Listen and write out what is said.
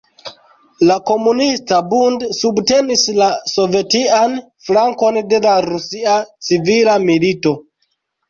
La Komunista Bund subtenis la sovetian flankon de la Rusia Civila Milito.